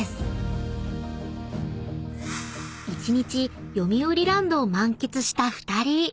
［一日よみうりランドを満喫した２人］